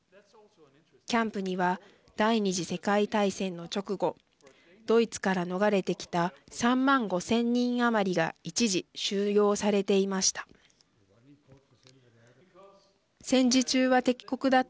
キャンプには第２次世界大戦の直後ドイツから逃れてきた３万５０００人余りが一時、収容されていました。